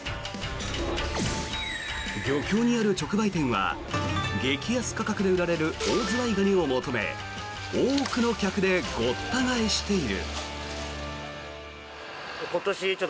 漁協にある直売店は激安価格で売られるオオズワイガニを求め多くの客でごった返している。